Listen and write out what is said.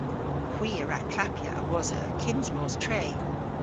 Hwi a wra klappya a-wosa kyns mos tre.